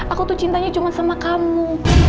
aku tuh cintanya cuma sama kamu